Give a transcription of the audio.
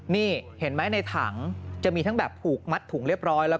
นี่เห็นไหมในถังจะมีทั้งแบบผูกมัดถุงเรียบร้อยแล้ว